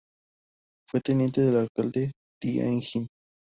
Fue teniente de alcalde de Tianjin.